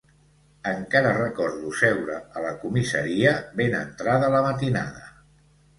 Encara recordo seure a la comissaria ben entrada la matinada.